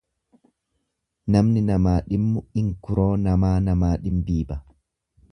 Namni namaa dhimmu inkuroo namaa namaa dhinbiiba.